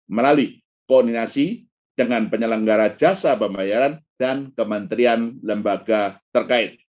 melalui koordinasi dengan penyelenggara jasa pembayaran dan kementerian lembaga terkait